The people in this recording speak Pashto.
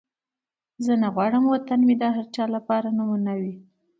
زه غواړم وطن مې د هر چا لپاره نمونه وي.